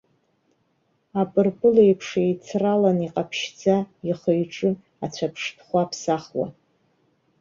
Апырпыл еиԥш еицраланы, иҟаԥшьӡа, ихы-иҿы ацәаԥштәхәы аԥсахуан.